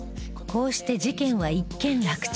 こうして事件は一件落着